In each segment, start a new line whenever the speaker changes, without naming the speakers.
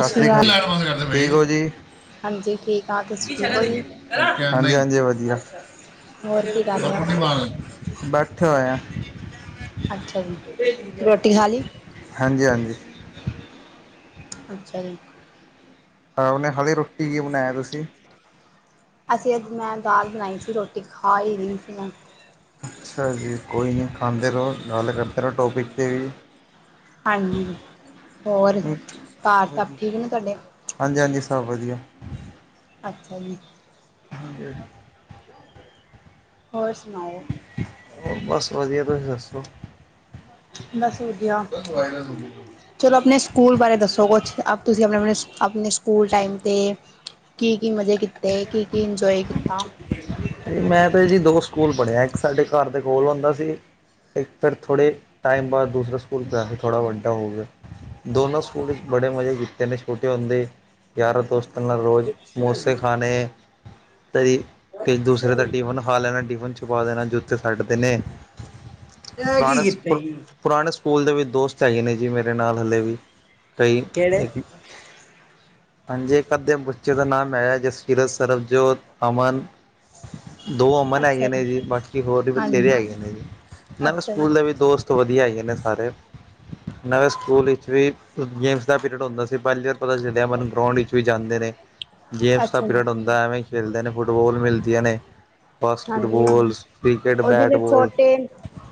ਸਤਿ
ਸ਼੍ਰੀ
ਸ੍ਰੀ
ਅਕਾਲ।
ਕਾਲ, ਲਾਈਟ ਬੰਦ ਕਰ ਦੇ, ਠੀਕ ਔ ਜੀ?
ਹਾਂਜੀ ਠੀਕ ਹਾਂ ਤੁਸੀਂ ਠੀਕ ਹੋ ਜੀ
[unintelligible] ਹਾਂਜੀ-ਹਾਂਜੀ ਵੱਦੀਆ।
ਹੋਰ ਕੀ ਕਰ ਰਹੇ ਹੋ
[unintelligible] ਬੈਠੇ ਹੋਏ ਆ।
ਅੱਛਾ ਜੀ। ਰੋਟੀ ਖਾ ਲਈ।
[unintelligible] ਹਾਂਜੀ-ਹਾਂਜੀ।
ਅੱਛਾ ਜੀ।
ਹਾਂ, ਹੁਣੇ ਹੁਣੇ ਰੋਟੀ ਕੀ ਬਣਾਇਆ ਤੁਸੀਂ?
ਅਸੀਂ ਅੱਜ ਮੈਂ ਦਾਲ ਬਣਾਈ ਸੀ, ਰੋਟੀ ਖਾ ਈ ਰੀ ਸੀ ਮੈਂ।
ਅੱਛਾ ਜੀ, ਕੋਈ ਨਈ, ਖਾਂਦੇ ਹੋ, ਗੱਲ ਕਰਦੇ ਰੋ, ਟੋਪਿਕ ਤੇ ਵੀ।
ਹਾਂਜੀ, ਹੋਰ
ਹਮ,
ਕਾਰ ਸਭ ਠੀਕ ਨੇ ਤੁਆਡੇ।
ਹਾਂਜੀ-ਹਾਂਜੀ ਸਭ ਵੱਦੀਆ।
ਅੱਛਾ ਜੀ।
[inaudible]
ਹੋਰ ਸੁਣਾਓ?
ਹੋਰ ਬਸ ਵੱਦੀਆ, ਤੁਸੀਂ ਦੱਸੋ?
ਬਸ ਵਦੀਆ। ਚਲੋ ਆਪਣੇ ਸਕੂਲ ਬਾਰੇ ਦੱਸੋ ਕੁਛ? ਆਪ ਤੁਸੀਂ ਆਪਣੇ-ਆਪਣੇ, ਆਪਣੇ ਸਕੂਲ ਟਾਈਮ ਤੇ ਕੀ-ਕੀ ਮਜ਼ੇ ਕੀਤੇ? ਕੀ-ਕੀ ਇੰਜੋਏ ਕੀਤਾ?
ਮੈਂ ਤੇ ਜੀ ਦੋ ਸਕੂਲ ਪੜ੍ਹੇਆ, ਇੱਕ ਸਾਡੇ ਕਾਰ ਦੇ ਕੋਲ ਹੁੰਦਾ ਸੀ। ਇੱਧਰ ਥੋੜ੍ਹੇ ਟਾਈਮ ਬਾਅਦ ਦੂਸਰੇ ਸਕੂਲ ਪਿਆ ਸੀ, ਥੋੜ੍ਹਾ ਵੱਡਾ ਹੋ ਗਿਆ। ਦੋਨੋ ਸਕੂਲ ਬੜੇ ਮਜ਼ੇ ਕੀਤੇ ਨੇ ਛੋਟੇ ਹੁੰਦੇ, ਯਾਰਾਂ ਦੋਸਤ ਉਹਨਾਂ ਰੋਜ਼
ਅੱਛਾ ਜੀ।
ਸਮੋਸੇ [unintelligible] [unintelligible] ਫੇਰ
ਅੱਛਾ
ਦੂਸਰੇ ਦਾ
ਜੀ।
ਟਿਫਿਨ ਖਾ ਲੈਣਾ ਟਿਫਿਨ ਛੁਪਾ ਦੇਣਾ ਜ ਫਿਰ ਛੱਡ ਦੇਨੇ ਆ,
ਇਹ ਕੀ
ਪੁਰਾਣੇ ਸ
ਕੀਤਾ
ਪੁ
ਜੀ?
ਪੁਰਾਣੇ ਸ ਸਕੂਲ ਦੇ ਵਿੱਚ ਦੋਸਤ ਹੈਗੇ ਨੇ ਜੀ ਮੇਰੇ ਨਾਲ ਹੱਲੇ ਵੀ ਕਈ। [inaudible]
ਕਿਹੜੇ?
ਹਾਂਜੀ, ਇੱਕ ਅੱਧੇ ਬੱਚੇ ਦਾ ਨਾਮ ਹੈ-ਜਸਕੀਰਤ, ਸਰਬਜੋਤ, ਅਮਨ ਦੋ ਅਮਨ ਹੈਗੇ ਨੇ ਜੀ, ਬਾਕੀ ਹੋਰ ਵੀ ਬਥੇਰੇ
ਹਾਂਜੀ
ਹੈਗੇ ਨੇ ਜੀ ਨਾਲੇ,
ਅੱਛਾ ਜੀ
ਸਕੂਲ ਦੇ ਵੀ ਦੋਸਤ ਤੋਂ ਵੱਧੀਆ ਹੈਗੇ ਨੇ ਸਾਰੇ, ਨਵੇਂ ਸਕੂਲ ਵਿੱਚ ਵੀ ਫਿਰ ਗੇਮਸ ਦਾ ਪੀਰੀਅਡ ਹੁੰਦਾ ਸੀ ਪਹਿਲੀ [unintelligible] ਗਰਾਊਂਡ ਵੀ ਜਾਂਦੇ ਨੇ। [unintelligible]
ਅੱਛਾ ਜੀ
ਪੀਰੀਅਡ ਹੁੰਦਾ ਐਵੇਂ ਖੇਲਦੇ ਨੇ ਫੁੱਟਬਾਲ ਮਿਲਦੀਆਂ ਨੇ।
ਹਾਂਜੀ
ਬਾਸਕਟਬੋਲ,
ਉਹ
ਕ੍ਰਿਕੇਟ,
ਜਿਵੇਂ
ਬੈਟ-ਬੋਲ।
ਛੋਟੇ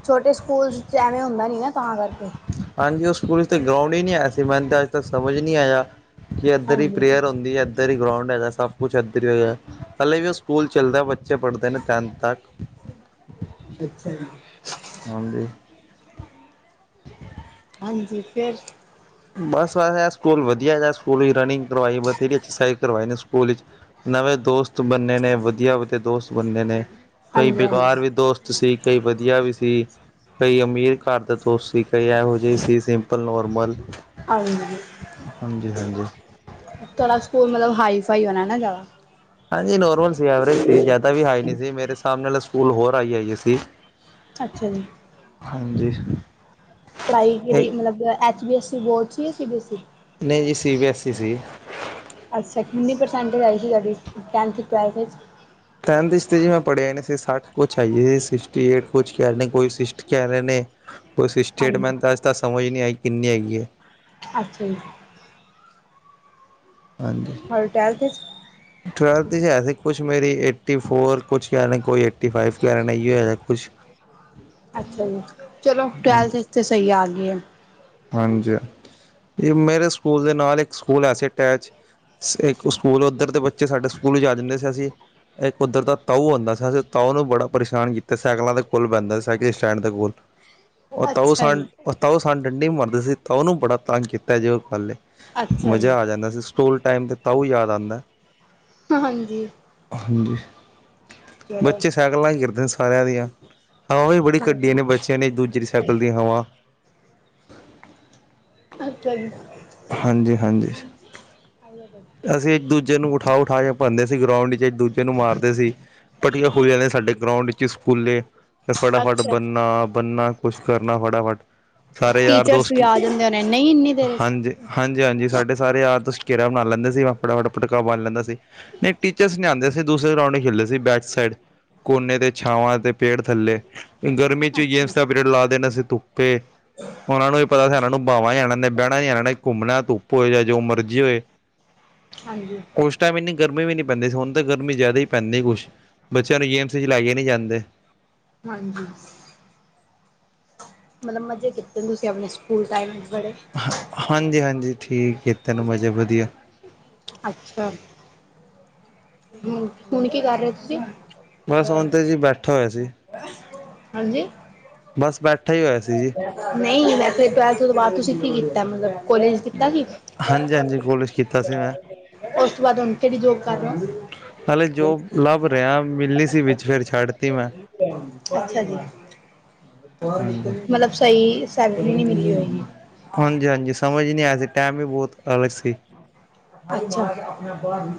ਛੋਟੇ ਸਕੂਲ ਚ ਐਵੇਂ ਹੁੰਦਾ ਨਹੀਂ ਨਾ ਤਾਂ ਕਰਕੇ।
ਹਾਂਜੀ, ਉਹ ਸਕੂਲ ਚ ਤੇ ਗਰਾਾਉਂਡ ਹੀ ਨਹੀਂ ਹੈ ਸੀ ਮੈਨੂੰ ਅੱਜ ਤੱਕ ਸਮਝ ਹੀ ਨਹੀਂ ਆਇਆ ਕਿ ਇੱਧਰ ਹੀ
ਹਾਂਜੀ
ਪ੍ਰੇਯਰ ਨੀ ਇਧਰ ਹੀ ਗਰਾਊਂਡ ਹੈਗਾ, ਸਭ ਕੁਛ ਇੱਧਰ ਹੀ ਹੈਗਾ, ਹੱਲੇ ਵੀ ਉਹ ਸਕੂਲ ਚੱਲਦਾ ਬੱਚੇ ਪੜ੍ਹਦੇ ਤਿੰਨ ਕੰਨ ਤਕ।
ਅੱਛਾ ਜੀ।
ਹਾਂਜੀ।
ਹਾਂਜੀ, ਫੇਰ।
ਬਸ ਇਹ ਸਕੂਲ ਵੱਧੀਆ ਹੈਗਾ, ਇਹ ਸਕੂਲ ਰਨਿੰਗ ਕਰਵਾਈ ਬਥੇਰੀ ਐਕਸਰਸਾਈਜ ਕਰਵਾਈ ਨੇ ਸਕੂਲ ਚ। ਨਵੇਂ ਦੋਸਤ ਬੰਨੇ ਨੇ ਵੱਧੀਆ-ਵੱਧੀਆ ਦੋਸਤ ਬੰਨੇ ਨੇ ਕਈ
ਹਾਂਜੀ ਹਾਂਜੀ
ਬੇਕਾਰ ਵੀ ਦੋਸਤ ਤੁਸੀਂ ਕਈ ਵਧੀਆ ਵੀ ਸੀ। ਕਈ ਅਮੀਰ ਘਰ ਦੇ ਦੋਸਤ ਸੀ ਕਈ ਇਹ ਜਿਵੇ ਸੀ ਸਿੰਪਲ ਨੋਰਮਲ
ਹਾਂਜੀ।
ਹਾਂਜੀ- ਹਾਂਜੀ।
ਤੁਹਾਡਾ ਸਕੂਲ ਮਤਲਬ ਹਾਈ ਫਾਈ ਹੋਣਾ ਨਾ ਜਿਆਦਾ।
ਹਾਂਜੀ ਨੋਰਮਲ ਸੀ ਐਵਰੇਜ ਸੀ ਜ਼ਿਆਦਾ ਵੀ ਹਾਈ ਨਹੀਂ ਸੀ ਮੇਰੇ ਸਾਹਮਣੇ ਨਾਲ ਸਕੂਲ ਹੋਰ ਹਾਈ ਆਈਏ ਸੀ।
ਅੱਛਾ ਜੀ।
ਹਾਂਜੀ।
ਪੜ੍ਹਾਈ ਜਿਹੜੀ ਮਤਲਬ ਐਚ ਬੀ ਐੱਸ ਬੋਰਡ ਸੀ ਸੀ ਬੀ ਐ ਈ।
ਨਹੀਂ ਜੀ ਸੀ ਬੀ ਐੱਸ ਈ ਸੀ।
ਅੱਛਾ ਕਿੰਨੀ ਪ੍ਰਸੈਂਟੇਜ ਆਈ ਸੀ ਤੁਹਾਡੀ ਟੈਂਥ ਟਵੈਲਥ ਵਿੱਚ।
ਟੈਂਨਥ ਚ ਤ ਮੈਂ ਤੇ ਪੜਿਆ ਨੀ ਸੀ ਨੇੇ ਸੱਠ ਕੁਛ ਆਈਏ ਸੀ ਸਿਕਟੀ ਏਟ ਕੁਛ ਕਹਿ ਲਹੇ ਨੇ ਕੋਈ ਸਟੀ ਕਹਿ ਲਹੇ ਨੇ। ਬੱਸ
ਹਾਂਜੀ
ਸਟੇਟਮੈਂਟ ਤਾਂ ਅੱਜ ਤਾਂ ਸਮਝ ਨਹੀਂ ਆਈ ਕਿੰਨੀ ਹੈਗੀ ਆ।
ਅੱਛਾ ਜੀ
ਹਾਂਜੀ,
ਹੋਰ ਟਵੈਲਥ ਵਿੱਚ
ਟਵੈਲਥ ਹੈਸ। ਕੁਛ ਮੇਰੀ ਏਟੀ ਫੋਰ ਕੁਛ ਕਹਿਹੇ ਕੋਈ ਏਟੀ ਫਾਈਵ ਕਹਿ ਰਿਹੇ ਹੈ ਕੁਛ।
ਅੱਛਾ ਜੀ ਚਲੋ ਟਵੈਲਥ ਵਿੱਚ ਤੇ ਸਹੀ ਆ ਗਏ ਹੈ।
ਹਾਂਜੀ, ਮੇਰੇ ਸਕੂਲ ਦੇ ਨਾਲ ਇੱਕ ਸਕੂਲ ਐ ਸੀ ਅਟੈਚ। ਇੱਕ ਸਕੂਲ ਉੱਧਰ ਦੇ ਬੱਚੇ ਸਾਡੇ ਸਕੂਲ ਹੀ ਆ ਜਾਂਦੇ ਸੀ ਅਸੀਂ। ਇੱਕ ਉਧਰ ਦਾ ਤਾਊ ਹੁੰਦਾ ਸੀ ਅ ਤਾਊ ਨੂੰ ਬੜਾ ਪਰੇਸ਼ਾਨ ਕੀਤਾ ਸਾਈਕਲਾਂ ਦੇ ਕੋਲ ਬੈਂਦਾ ਸੀ ਸਾਈਕਲ ਸਟੈਂਡ ਦੇ ਕੋਲ। ਉਹ ਤਾਊ
ਅੱਛਾ
ਸ
ਜੀ
ਉਹ ਤਾਊ ਸਾਨ ਡੰਡੀ ਮਰਦੇ ਸੀ ਤਾਂ ਉਹਨੂੰ ਬੜਾ ਤੰਗ ਕੀਤਾ ਜੇ ਉਹ ਪਲ ਤੇ।
ਅੱਛਾ ਜੀ
ਮਜ਼ਾ ਆ ਜਾਂਦਾ ਸੀ ਸਕੂਲ ਟਾਈਮ ਤੇ ਤਾਊ ਯਾਦ ਆਉਂਦਾ।
ਹਾਂਜੀ।
ਹਾਂਜੀ,
ਚਲੋ
ਬੱਚੇ ਸਾਈਕਲਾਂ ਹੀ ਗਿਰਦੇ ਨੇ ਸਾਰਿਆਂ ਦੀਆਂ। ਹਵਾਂ ਵੀ ਬੜੀ ਕੱਢੀ
ਹਾਂਜੀ
ਨੇ ਬੱਚਿਆਂ ਨੇ ਇਕ ਦੂਜੇ ਦੇ ਸਾਈਕਲ ਦੀਆਂ ਹਵਾਂ।
ਅੱਛਾ ਜੀ
ਹਾਂਜੀ -ਹਾਂਜੀ।
ਹਗ [unintelligible] [unintelligible]
ਅਸੀਂ ਇੱਕ ਦੂਜੇ ਨੂੰ ਉਠਾ- ਉਠਾ ਕੇ ਭੰਨਦੇ ਸੀ ਗਰਾਊਂਡ ਚ ਦੂਜੇ। ਏਨੂੰ ਮਾਰਦੇ ਸੀ ਪੱਟੀਆਂ ਖੂਲੀਆਂ ਨੇ ਸਾਡੇ ਗਰਾਊਂਡ ਵਿੱਚ ਸਕੂਲੇ। ਫ ਫਟਾਫਟ
ਅੱਛਾ
ਬੰਨਾ ਬੰਨਾ ਕੁਛ ਕਰਨਾ ਫਟਾਫਟ। ਸਾਰੇ ਯਾਰ
ਟੀਚਰਸ
ਦੋਸਤ
ਵੀ
ਕੀ
ਆ ਜਾਂਦੇ ਹੋਣੇ ਨਹੀਂ ਇੰਨੀ ਦੇਰ ਚ
ਹਾਂਜੀ। ਹਾਂਜੀ ਹਾਂਜੀ ਸਾਡੇ ਸਾਰੇ ਯਾਰ ਦੋਸਤ ਖੇਰਾ ਬਣਾ ਲੈਂਦੇ। ਆਪਾ ਵਟਾ ਪਟਕਾ ਬਣ ਲੈਂਦਾ ਸੀ ਨਹੀਂ ਟੀਚਰਸ ਨਹੀਂ ਆਉਂਦੇ ਸੀ ਦੂਸਰੇ ਗਰਾਂਡ ਖੇਦੇ ਸੀ ਬੈਕ ਸੈਡ। ਕੋਨੇ ਤੇ ਛਾਵਾਂ ਤੇ ਪੇੜ ਥੱਲੇ ਗਰਮੀ ਚ
ਅੱਛਾ
ਗੇਮਸ ਦਾ ਪੀਰੀਅਡ ਲਾ ਦੇਣਾ ਸੀ ਤੂੰ। ਤੇ ਉਹਨਾਂ ਨੂੰ ਇਹ ਪਤਾ ਸੀਨਾਂ ਨੂੰ ਬਾਹਵਾਂ ਹੀ ਇਹਨਾਂ ਨੇ ਬਹਿਣਾ ਹੀ ਇਹਨਾਂ ਨੇ ਘੁੰਮਣਾ ਤੂੰ। ਭ ਜਾਂ ਜੋ ਮਰਜ਼ੀ ਹੋਏ।
ਹਾਂਜੀ।
ਉਸ ਟਾਈਮ ਇੰਨੀ ਗਰਮੀ ਵੀ ਨਹੀਂ ਪੈਂਦੀ ਹੁਣ ਤਾਂ ਗਰਮੀ ਜ਼ਿਆਦਾ ਹੀ ਪੈਂਦੀ ਕੁਛ ਬੱਚਿਆਂ ਨੂੰ ਗੇਮਸ 'ਚ ਲੈ ਕੇ ਨਹੀਂ ਜਾਂਦੇ।
ਹਾਂਜੀ। ਮਤਲਬ ਮਜ਼ੇ ਕੀਤੇ ਤੁਸੀਂ ਆਪਣੇ ਸਕੂਲ ਟਾਈਮ ਵਿਚ ਬੜੇ।
ਹ ਹਾਂਜੀ ਹਾਂਜੀ ਠੀਕ ਹੈ ਤੈਨੂੰ ਮਜ਼ੇ ਵਧੀਆ।
ਅੱਛਾ।
ਹ [inaudible]
ਹਮ ਹੁਣ ਕੀ ਕਰ ਰਹੇ ਹੋ ਤੁਸੀਂ।
ਬਸ ਹੁਣ ਤੇ ਜੀ ਬੈਠਾ ਹੋਇਆ ਸੀ।
ਹਾਂਜੀ।
ਬਸ ਬੈਠਾ ਹੀ ਹੋਇਆ ਸੀ ਜੀ।
ਨਹੀਂ ਮੈ ਫੇ ਟਵੈਲਥ ਤੋਂ ਬਾਅਦ ਤੁਸੀਂ ਕੀ ਕੀਤਾ ਮਤਲਬ। ਕੋਲੇਜ ਕੀਤਾ ਸੀ
ਹਾਂਜੀ-ਹਾਂਜੀ ਕੋਲਜ ਕੀਤਾ ਸੀ ਮੈਂ
ਉਸ ਤੋਂ ਬਾਅਦ ਹੁਣ ਕਿਹੜੀ ਜੋਬ ਕਰ ਰਹੇ ਓ।
ਹਾਲੇ ਜੋ ਲੱਭ ਰਿਹਾ ਮਿਲਣੀ ਸੀ ਵਿੱਚ ਫਿਰ ਛੱਡ ਤੀ ਮੈਂ।
ਅੱਛਾ ਜੀ।
ਹਾਂਜੀ।
ਮਲਬ ਸਈ ਸੈਲਰੀ ਨੀ ਮਿਲੀ ਹੋਏਗੀ।
ਹਾਂਜੀ-ਹਾਂਜੀ। ਸਮਝ ਈ ਨੀ ਆਇਆ ਸੀ ਟੈਮ ਈ ਬਹੁਤ ਅਲਗ ਸੀ।
ਅੱਛਾ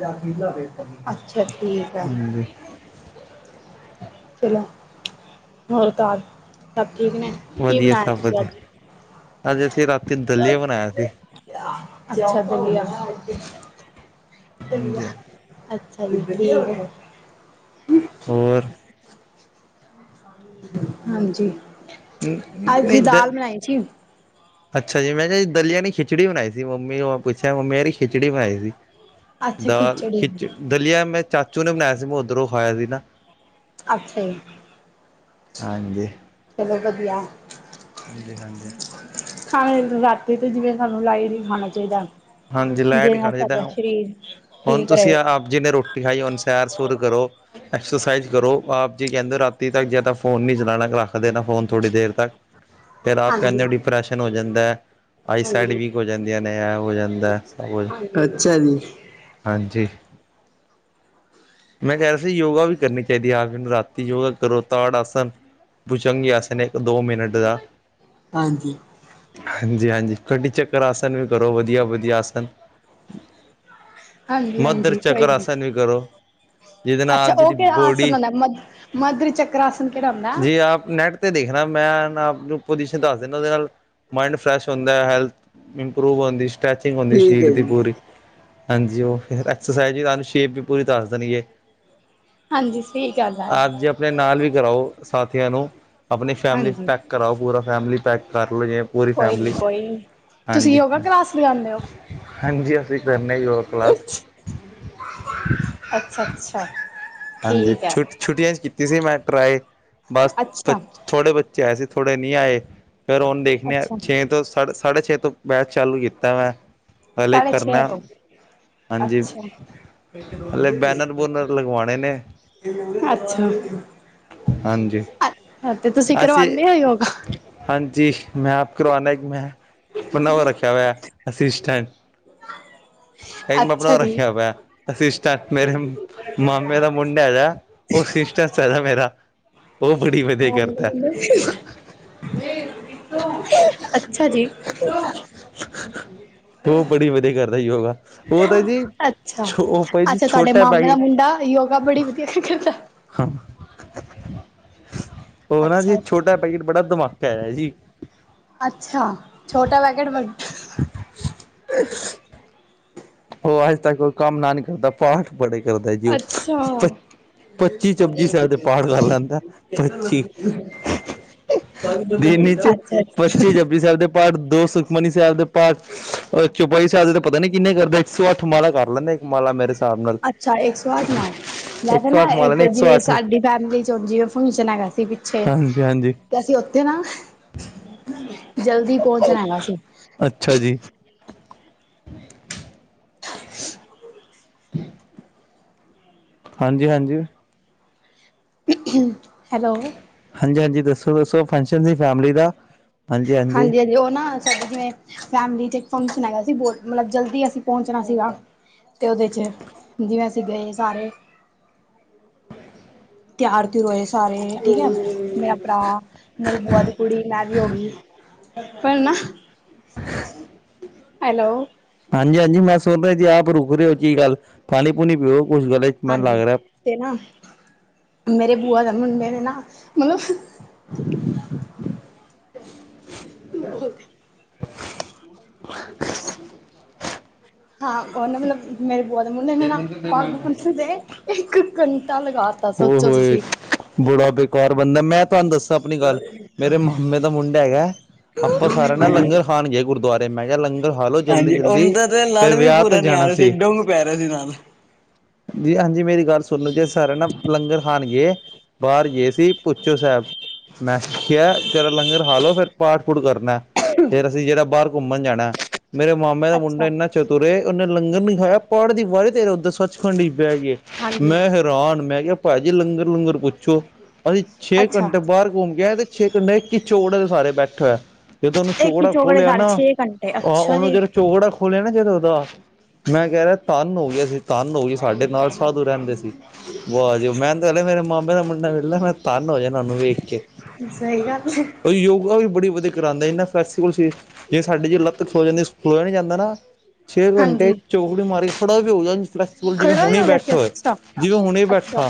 -ਅੱਛਾ ਠੀਕ ਐ।
ਹਾਂਜੀ।
ਚਲੋ ਹੋਰ ਘਰ ਸਭ ਠੀਕ ਨੇ? ਕੀ
ਵਧੀਆ
ਬਣਾਇਆ
ਸਭ
ਤੁਸੀਂ ਅੱਜ?
ਵਧੀਆ ਅੱਜ ਅਸੀਂ ਰਾਤੀ ਦਲੀਆ ਬਣਾਇਆ ਸੀ।
ਅੱਛਾ ਦਲੀਆਂ। ਦਲੀਆਂ।
ਹਾਂਜੀ।
ਅੱਛਾ ਜੀ।
ਹੋਰ?
ਹਾਂਜੀ। ਅਜ ਜੀ
ਨਹੀਂ ਦ
ਦਾਲ ਬਣਾਈ ਸੀ।
[inaudible] [unintelligible] ਅੱਛਾ ਜੀ। ਮੈਂ ਕਿਆ ਜੀ ਦਲੀਆਂ ਨੀ ਖਿਚੜੀ ਬਣਾਈ ਸੀ ਮੰਮੀ ਨੂੰ ਮੈਂ ਪੁੱਛਿਆ ਮੰਮੀ ਕੇ ਰੀ ਖਿਚੜੀ ਬਣਾਈ ਸੀ।
ਅੱਛਾ
ਦਾਲ
ਖਿਚੜੀ
ਖਿੱਚ ਦਲੀਆ ਮੈਂ ਚਾਚੂ ਨੇ ਬਣਾਇਆ ਸੀ ਮੈਂ ਉੱਧਰੋਂ ਖਾਇਆ ਸੀ ਨਾ।
ਅੱਛਾ ਜੀ।
ਹਾਂਜੀ।
ਚਲੋ ਵਧੀਆ।
ਹਾਂਜੀ-ਹਾਂਜੀ।
ਖਾਣੇ ਰਾਤੀ ਤੇ ਜਿਵੇਂ ਸਾਨੂੰ ਲਾਈਟ ਈ ਖਾਣਾ ਚਾਹੀਦਾ।
ਹਾਂਜੀ।
ਜਿਹਦੇ
ਲੈਟ ਈ
ਨਾਲ
ਖਾਣਾ ਚਾਈਦੇ।
ਸਾਡਾ ਸਰੀਰ
ਹੁਣ
ਠੀਕ
ਤੁਸੀਂ
ਰਹੇ
ਅ ਆਪ ਜੀ ਨੇ ਰੋਟ ਟੀ ਖਾਈ ਹੁਣ ਸੈਰ ਸੁਰ ਕਰੋ। ਐਕਸਰਸਾਈਜ਼ ਕਰੋ। ਆਪ ਜੀ ਕਹਿੰਦੇ ਰਾਤੀ ਤੱਕ ਜਾਦਾ ਫੋਨ ਨੀ ਚਲਾਣਾ ਰੱਖ ਦੇਨਾ ਫੋਨ। ਥੋੜ੍ਹੀ ਦੇਰ ਤੱਕ। ਫਿਰ ਆਪ ਕਹਿੰਦੇ ਓ।
ਹਾਂਜੀ
ਡਿਪਰੈਸ਼ਨ ਹੋ ਜੰਦੇ, ਆਈਸਾਈਡ
ਹਾਂਜੀ।
ਵੀਕ ਹੋ ਜਾਂਦੀਆਂ ਨੇ, ਐ ਹੋ ਜਂਦਾ। ਹੁੰਦੇ ਸਭ ਕੁਜ।
ਅੱਛਾ ਜੀ,
ਹਾਂਜੀ। ਮੈਂ ਕਹਿ ਰਿਆ ਸੀ ਯੋਗਾ ਵੀ ਕਰਨੀ ਚਾਹੀਦੀ ਐ ਆਪ ਜੀ ਨੂੰ ਰਾਤੀ ਯੋਗਾ ਕਰੋ ਤਾੜ ਆਸਣ। ਭੁਜੰਗੀਆਸਨ ਇੱਕ ਦੋ ਮਿੰਟ ਦਾ।
ਹਾਂਜੀ।
ਹਾਂਜੀ-ਹਾਂਜੀ। ਕਡੀ ਚੱਕਰ ਆਸਨ ਵੀ ਕਰੋ ਵਧੀਆ-ਵਧੀਆ ਆਸਨ। ਮਧਰ
ਹਾਂਜੀ-ਹਾਂਜੀ ਕੋਈ
ਚੱਕਰ
ਨੀ,
ਆਸਾਨ ਵੀ ਕਰੋ। ਜਿਦੇ ਨਾ
ਅੱਛਾ
ਆਪ ਜੀ
ਉਹ
ਦੀ
ਕਿਹੜਾ ਆਸਨ
ਬੋਡੀ
ਹੁੰਦਾ ਮ ਮਧੁਰ ਚੱਕਰ ਆਸਨ ਕਿਹੜਾ ਹੁੰਦਾ?
ਜੇ ਆਪ ਨੈਟ ਤੇ ਦੇਖਣਾ ਮੈਂ ਨਾ ਆਪ ਨੂੰ ਪੁਜੀਸ਼ਨ ਦੱਸ ਦਿਨਾਂ ਉਹਦੇ ਨਾਲ ਮਾਇੰਡ ਫਰੈਸ਼ ਹੁੰਦਾ ਹੈਲਥ ਇਮਪਰੋਵ ਆਂਦੀ ਸ਼ ਸਟ੍ਰੈਚਿੰਗ ਹੁੰਦੀ
ਠੀਕ
ਸ਼ੀਰ
ਹੈ
ਦੀ
ਜੀ।
ਪੂਰੀ। ਹਾਂਜੀ ਉਹ ਫੇਰ ਐਕਸਰਸਾਈਜ਼ ਤਾਨੂੰ ਸ਼ੇਪ ਵੀ ਪੂਰੀ ਦੱਸ ਦੇਣਗੇ।
ਹਾਂਜੀ ਸਈ ਗੱਲ ਆ।
ਆਪ ਜੇ ਆਪਣੇ ਨਾਲ ਵੀ ਕਰਾਓ ਸਾਥੀਆਂ ਨੂੰ ਆਪਣੀ ਫੈਮਿਲੀ
ਹਾਂਜੀ
ਪੈਕ ਕਰਾਓ ਪੂਰਾ ਫੈਮਿਲੀ ਪੈਕ ਕਰ ਲਓ ਜੇ ਪੂਰੀ
ਕੋਈ ਨੀ
ਫੈਮਿਲੀ।
ਕੋਈ ਨੀ। ਤੁਸੀਂ
ਹਾਂਜੀ।
ਯੋਗਾ ਕਲਾਸ ਲਗਾਉਂਦੇ ਹੋ?
ਹਾਂਜੀ ਅਸੀਂ ਕਰਨੇ ਯੋਗਾ ਕਲਾਸ।
ਅੱਛ ਅੱਛ।
ਹਾਂਜੀ। ਛੁ ਛੁੱਟੀਆਂ ਚ ਕੀਤੀ ਸੀ ਮੈਂ ਟਰਾਈ ਬਸ ਫ
ਅੱਛਾ-ਅੱਛਾ।
ਥੋੜੇ ਬੱਚੇ ਆਏ ਸੀ ਥੋੜੇ ਨੀ ਆਏ ਫੇਰ ਓਨ ਦੇਖਣੇ ਆ ਛੇ ਤੋਂ ਸਾਢ ਸਾਢੇ ਛੇ ਤੋਂ ਬੈਚ ਚਾਲੂ ਕੀਤੈ ਮੈਂ ਪਹਿਲੇ
ਸਾਢੇ ਛੇ
ਕਰਨਾ
ਤੋਂ,
ਹਾਂਜੀ
ਅੱਛਾ।
ਹਲੇ ਬੈਨਰ ਬੂਨਰ ਲਗਵਾਣੇ ਨੇ
ਅੱਛਾ।
ਹਾਂਜੀ।
ਤੇ ਤੁਸੀਂ
ਅਸੀਂ
ਕਰਵਾਂਦੇ ਓ ਯੋਗਾ?
ਹਾਂਜੀ ਮੈਂ ਆਪ ਕਰਵਾਣਾ ਇੱਕ ਮੈਂ ਆਪਣਾ ਉਹ ਰੱਖਿਆ ਹੋਇਆ ਅਸਿਸਟੈਂਟ। ਏਕ ਮੈਂ ਆਪਣਾ
ਅੱਛਾ ਜੀ।
ਰੱਖਿਆ ਹੋਇਆ ਅਸਸਿਸਟੈਟ ਮੇਰੇ ਮਾਮ ਮੇਰਾ ਮੁੰਡਾ ਹੈਗਾ ਉਹ ਸਿਸਟੈਸ ਹੈਗਾ ਮੇਰਾ। ਓਹ ਬੜੀ ਵਧਿਆ ਕਰਦਾ।
ਅੱਛਾ ਜੀ।
ਓ ਬੜੀ ਵਧੀਆ ਕਰਦਾ ਯੋਗਾ। ਉਹ ਤਾਂ ਜੀ ਛੋ ਭਾਈ ਜੀ ਛੋਟਾ ਹੈ ਬਾਇਡ।
ਯੌਗਾ ਬੋਹੁਤ ਵਦੀਆ ਕਰਦਾ ਹੈ
ਹਾਂ। ਉਹ ਨਾ
ਅੱਛਾ
ਜੀ ਛੋਟਾ ਪੈਕਿਟ ਬੜਾ ਧਮਾਕਾ ਐ ਜੀ।
ਅੱਛਾ ਛੋਟਾ ਪੈਕਟ ਵਡ
ਉਹ ਅੱਜ ਤੱਕ ਕੋਈ ਕੰਮ ਨਾ ਨੀ ਕਰਦਾ ਪਾਠ ਬੜੇ ਕਰਦਾ ਜੀ ਉਹ।
ਅੱਛਾ
ਪੱਚੀ ਜਪਜੀ ਸਾਹਿਬ ਦੇ ਪਾਠ ਕਰ ਲੈਂਦਾ ਪੱਚੀ। ਦਿਨ ਇਚ
ਅੱਛਾ
ਪੱਚੀ ਜਪਜੀ ਸਾਹਿਬ ਦੇ ਪਾਠ ਦੋ ਸੁਖਮਨੀ ਸਾਹਿਬ ਦੇ ਪਾਠ ਚੌਪਈ ਸਾਹਿਬ ਦੇ ਤੇ ਪਤਾ ਨੀ ਕਿੰਨੇ ਕਰਦਾ ਈ। ਇਰ ਸੋ ਅੱਠ ਮਾਲਾ ਕਰ ਲੈਂਦਾ ਈ। ਮਾਲਾ ਮੇਰੇ ਸਾਬ ਨਾਲ
ਅੱਛਾ ਇੱਕ ਸੌ ਅੱਠ ਮਾਰਕ
ਏਕ
ਵੈਸੇ
ਸੌ
ਨਾ
ਅੱਠ ਮਾਲਾ
ਇੱਕ
ਨੇ ਏਕ ਸੌ
ਜਿਵੇਂ
ਅੱਠ।
ਸਾਡੀ ਫੈਮਿਲੀ ਚ ਉਂਜ ਈ ਉਹ ਫੰਕਸ਼ਨ ਹੈਗਾ ਸ ਤੀ ਪਿੱਛੇ
ਹਾਂਜੀ ਹਾਂਜੀ
ਤੇ ਅਸੀਂ ਉੱਥੇ ਨਾ ਜਲਦੀ ਪਹੁੰਚਣਾ ਹੈਗਾ ਸੀ।
ਅੱਛਾ ਜੀ। [inaudible] ਹਾਂਜੀ-ਹਾਂਜੀ।
ਹੈਲੋ।
ਹਾਂਜੀ ਹਾਂਜੀ ਦੱਸੋ ਦੱਸੋ ਫੰਕਸ਼ਨ ਸੀ ਫੈਮਿਲੀ ਦਾ।
ਹਾਂਜੀ ਹਾਂਜੀ ਉਹ ਨਾ ਜਿਵੇਂ ਫੈਮਲੀ ਚ ਏਕ ਫੰਕਸ਼ਨ ਹੈਗਾ ਸੀ ਬੋਤ ਮਲਬ ਜਲਦੀ ਅਸੀਂ ਪਹੁੰਚਣਾ ਸੀਗਾ। ਤੇ ਉਹਦੇ ਚ ਜਿਵੇਂ ਅਸੀਂ ਗਏ ਸਾਰੇ। ਤਿਆਰ ਤਯੁਰ ਹੋਏ ਸਾਰੇ ਠੀਕ ਐ। ਮੇਰਾ ਭਰਾ ਮੇਰੀ ਬੂਆ ਦੀ ਕੁੜੀ ਮੈਂ ਵੀ ਹੋ ਗੀ। ਪਰ ਨਾ
[inaudible]
ਹੈਲੋ।
ਹਾਂਜੀ ਹਾਂਜੀ ਮੈਂ ਸੁਣ ਰਿਆ ਜੀ ਆਪ ਰੁਕ ਰੇ ਓ ਕੀ ਗੱਲ ਪਾਣੀ ਪੂਣੀ ਪੀਓ ਕੁਛ ਗਲੇ ਮੈਨੂੰ
ਹਾਂਜੀ
ਲੱਗ ਰਿਹਾ
ਤੇ ਨਾ ਮੇਰੇ ਬੂਆ ਦਾ ਮੁੰਡੇ ਨੇ ਨਾ ਮਲਬ
[inaudible] [inaudible]
ਹਾਂ ਉਹਨਾ ਮਲਬ ਮੇਰੇ ਬੂਆ ਦੇ ਮੁੰਡੇ ਨੇ ਨਾ ਪੱਗ ਪੁਗ ਦੇ ਇੱਕ ਘੰਟਾ ਲਗਾ ਤਾ
ਹੋ
ਸੋਚੋ
ਹੋਏ
ਤੁਸੀਂ
ਬੜਾ ਬੇਕਾਰ ਬੰਦੇ ਮੈਂ ਤੁਆਨੂੰ ਦੱਸਾਂ ਆਪਣੀ ਗੱਲ ਮਰੇ ਮਾਮੇ ਦਾ ਮੁੰਡਾ ਹੈਗੇ ਆਪਾਂ ਸਾਰਿਆਂ ਨਾ ਲੰਗਰ ਖਾਣਗੇ ਗੁਰਦੁਆਰੇ ਮੈਂ ਕਿਆ ਲੰਗਰ ਖਾ ਲੋ ਜਲਦੀ-
ਹਾਂਜੀ ਉਹਨਾਂ
ਜਲਦੀ
ਦਾ ਤੇ ਲੜ
ਫੇਰ
ਵੀ
ਵਿਆਹ ਤੇ ਜਾਣਾ ਸ
[unintelligible]
ਜੀ ਹਾਂਜੀ ਮੇਰੀ ਗੱਲ ਸੁਣਲੋ ਜੇ ਸਰ ਨਾ ਲੰਗਰ ਖਾਣ ਗਏ ਬਾਹਰ ਗਏ ਸੀ ਭੁੱਚੋ ਸਾਹਿਬ। ਮੈਂ ਖਿਆ ਜਰਾ ਲੰਗਰ ਖਾ ਲ ਲੋ ਫੇਰ ਪਾਠ ਪੂਠ ਕਰਨਾ। ਫੇਰ ਅਸੀਂ ਜੇੜਾ ਬਾਰ ਘੁੰਮਣ ਜਾਣਾ ਮੇਰੇ ਮਾਮ ਮੇਰਾ ਮੁੰਡਾ
ਅੱਛਾ
ਏਨਾ ਚਤੁਰ ਏ ਉਹਨੇ ਲੰਗਰ ਨੀ ਖਾਇਆ ਪਾਠ ਦੀ ਵਾਰੀ ਤੇਰੇ ਉੱਧਰ ਸੱਚਖੰਡ ਇਚ ਬੈ ਗਿਆ।
ਹਾਂਜੀ
ਮੈਂ ਹੈਰਾਨ ਮੈਂ ਕਿਆ ਭਾਜੀ ਲੰਗਰ ਲੂੰਗਰ ਪੁੱਛੋ। ਅਸੀਂ ਛੇ
ਅੱਛਾ
ਘੰਟੇ ਬਾਹਰ ਘੁੰਮ ਗਏ ਆਏ ਤੇ ਛੇ ਘੰਟੇ ਏਕ ਈ ਚੋਂਕੜ੍ਹੇ ਦੇ ਸਹਾਰੇ ਬੈਠੇ। ਜਦੋਂ ਉਹਨੂੰ
ਇੱਕ ਹੀ
ਚੋਗੜਾ
ਚੋਕੜੇ
ਖੋਲ੍ਹਿਆ
ਘਰ
ਨਾ
ਛੇ ਘੰਟੇ
ਤਾ
ਅੱਛਾ
ਉਹਨੂੰ
ਜੀ।
ਜਦੋਂ ਚੋਗੜਾ ਖੋਲਿਆ ਨਾ ਜਦੋਂ ਉਹਦਾ ਮੈਂ ਕਹਿ ਰਿਆ ਧੰਨ ਹੋ ਗਿਆ ਸੀ ਤੰਨ ਹੋ ਗਈ ਸਾਡੇ ਨਾਲ ਸਾਧੂ ਰਹਿੰਦੇ ਸੀ। ਵਾ ਜੀ ਵ ਮੇਰੇ ਮਾਮੇ ਦਾ ਮੁੰਡਾ ਵਿਹਲਾ ਮੈਂ ਧੰਨ ਹੋ ਜਨਾ ਉਨੂੰ ਵੇਖ ਕੇ।
ਸਹੀ ਗੱਲ ਹੈ
ਉਹ ਯੋਗਾ ਵੀ ਬੜੀ ਵਧੀਆ ਕਰਾਂਦਾ ਏਨਾ ਫਲੇਕਸੀਬਲ ਸਰੀਰ ਜਿਵੇਂ ਸਾਡੀ ਜੇ ਲੱਤ ਸੋ ਜਾਂਦੀ ਤੁਰਿਆ ਨੀ ਜਾਂਦਾ ਨਾ। ਛੇ ਘੰਟੇ
ਹਾਂਜੀ
ਚੋਕੜੀ ਮਾਰੀ ਕੇ ਖੜਾ ਵੀ ਹੋਗਿਆ ਫੈਲਕਸੀਬਲ ਜਿਵੇਂ
ਖੜਾ ਹੀ
ਹੁਣੇ
ਹੋ ਗਿਆ ਸੀ
ਬੈਠੇ ਹੋਏ।
ਅੱਛਾ।
ਜਿਵੇਂ ਹੁਣੇ
ਅੱਛਾ
ਬੈਠਾ।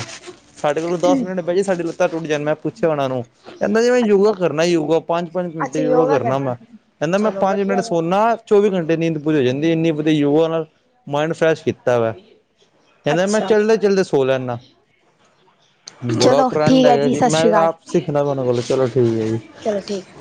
ਸਾਡੇ ਕੋਲੋਂ ਦਸ ਮਿੰਟ ਬਹਿਏ ਸਾਡੀ ਲੱਤਾ ਟੁੱਟ ਜਾਣ ਮੈਂ ਪੁੱਛਿਆ ਉਹਨਾਂ ਨੂੰ ਕਹਿੰਦਾ ਜੀ ਮੈਂ ਯੋਗਾ
ਅੱਛਾ
ਕਰਨਾ ਯੋਗਾ ਪੰਜ-ਪੰਜ
ਅੱਛਾ
ਘੰਟੇ ਯੋਗਾ ਕਰਨਾ
ਕਰਦੇ
ਮੈਂ।
ਨੇ।
ਕੇਂਦਾ ਮੈਂ
ਚਲੋ
ਪੰਜ ਮਿੰਟ
ਵਧੀਆ ਗੱਲ
ਸੋਨਾ ਚੌਵੀ ਘੰਟੇ ਨੀਂਦ ਪੂਰੀ ਹੋ ਜਾਂਦੀ ਇੰਨੀ ਵਧੀਆ ਯੁਵਾ ਨਾਲ ਮਾਇੰਡ ਫਰੈਸ਼ ਕੀਤਾ ਵਾ ਕਹਿੰਦਾ ਮੈਂ
ਅੱਛਾ
ਚੱਲਦੇ ਚਲਦੇ ਸੋ ਲੈਂਨਾ ਬੁੜਾ
ਚਲੋ
ਟ੍ਰੈਂਡ
ਠੀਕ ਹੈ
ਹੈਗਾ ਜੀ ਮੈਂ ਆਪ ਸਿੱਖਣਾ ਵਾ ਉਹਨਾਂ ਕੋਲ। ਚਲੋ ਠੀਕ ਹੈ
ਹਾਂਜੀ
ਜੀ
ਚਲੋ ਠੀਕ